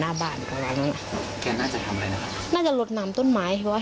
หน้าบ้านก็ร้านแกน่าจะทำอะไรนะครับน่าจะลดน้ำต้นไม้เพราะว่า